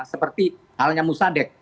seperti halnya musa dek